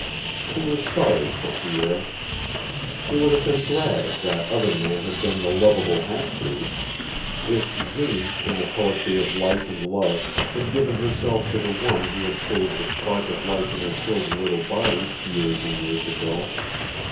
He was sorry for Pierre. He would have been glad if that other man had been the lovable half breed; if Jeanne, in the poetry of life and love, had given herself to the one who had saved the spark of life in her chilled little body years and years ago.